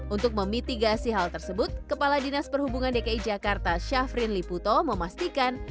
untuk memitigasi hal tersebut kepala dinas perhubungan dki jakarta syafrin liputo memastikan